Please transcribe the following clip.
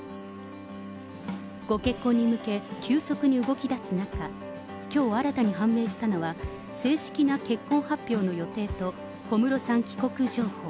ご結婚に向け、急速に動き出す中、きょう新たに判明したのは、正式な結婚発表の予定と、小室さん帰国情報。